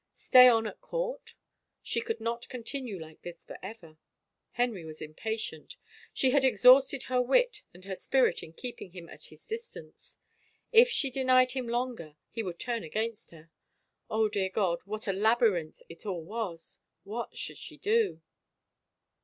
... Stay on at court? ... She could not continue like this forever. Henry was impatient: she had exhausted her wit and her spirit in keeping him at his distance. If she denied him longer he would turn against her. ... O dear God, what a labyrinth it all was I What should she do